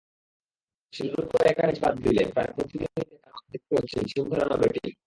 শুরুর কয়েকটা ম্যাচ বাদ দিলে প্রায় প্রতিদিনই দেখতে হচ্ছে ঝিম ধরানো ব্যাটিং।